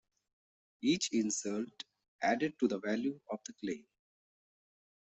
Each insult added to the value of the claim.